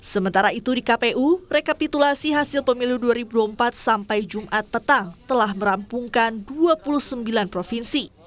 sementara itu di kpu rekapitulasi hasil pemilu dua ribu dua puluh empat sampai jumat petang telah merampungkan dua puluh sembilan provinsi